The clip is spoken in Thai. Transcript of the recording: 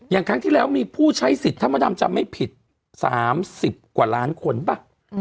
ครั้งที่แล้วมีผู้ใช้สิทธิ์ถ้ามดดำจำไม่ผิด๓๐กว่าล้านคนป่ะ